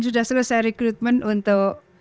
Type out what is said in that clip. sudah selesai rekrutmen untuk